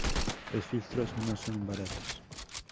Los filtros no son baratos.